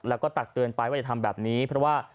แล้วก็ตักเตือนไปว่าอย่าทำแบบนี้เพราะว่า